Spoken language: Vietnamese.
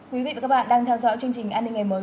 quý vị và các bạn đang theo dõi chương trình an ninh ngày mới